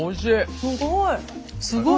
すごい。